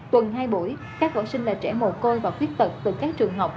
tuần hai buổi các võ sinh là trẻ mùa cô và khuyết tật từ các trường học